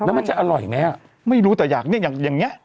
แล้วมันจะอร่อยไหมไม่รู้แต่อยากอย่างนี้